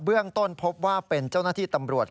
เรื่องต้นพบว่าเป็นเจ้าหน้าที่ตำรวจ